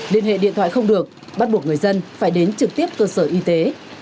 liên hệ điện thoại không được bắt buộc người dân phải đến trực tiếp cơ sở y tế